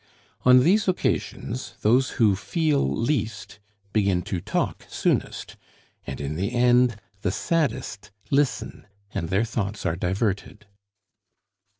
On these occasions those who feel least begin to talk soonest, and in the end the saddest listen, and their thoughts are diverted.